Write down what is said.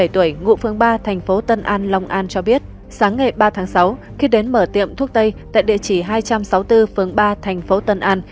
ba mươi tuổi ngụ phương ba thành phố tân an long an cho biết sáng ngày ba tháng sáu khi đến mở tiệm thuốc tây tại địa chỉ hai trăm sáu mươi bốn phường ba thành phố tân an